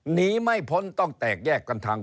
หนีไม่พ้นต้องแตกแยกกันทาง